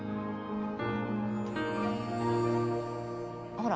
ほら。